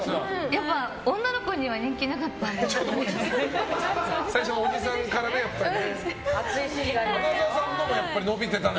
やっぱ女の子には人気なかったんですかね。